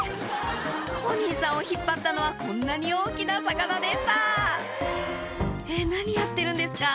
お兄さんを引っ張ったのはこんなに大きな魚でしたえっ何やってるんですか？